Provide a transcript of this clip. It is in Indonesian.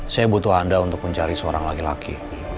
saya butuh anda untuk mencari seorang laki laki